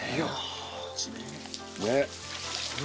ねっ。